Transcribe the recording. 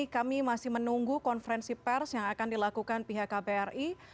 kami masih menunggu konferensi pers yang akan dilakukan pihak kbri